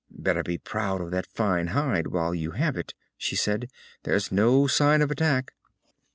"Better be proud of that fine hide while you have it," she said. "There's no sign of attack."